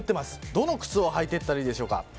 どの靴を履いていったらいいでしょうか。